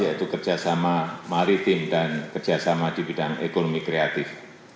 yaitu kerjasama maritim dan kerjasama di bidang ekonomi kreatif